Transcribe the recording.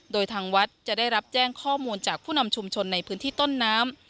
โดยทางวัดจะได้รับแจ้งข้อมูลจากผู้นำชุมชนในพื้นที่ต้นน้ำ